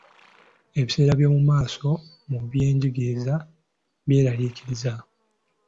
Ebiseera eby'omu maaso mu byenjigiriza byeraliikiriza.